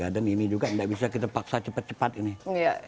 dan ini juga tidak bisa kita paksa cepat cepat